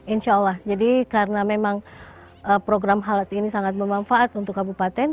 insya allah jadi karena memang program halas ini sangat bermanfaat untuk kabupaten